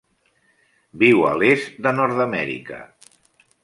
Viu a l'est de Nord-amèrica.